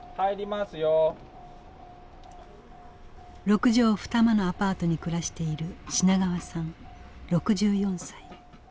六畳二間のアパートに暮らしている品川さん６４歳。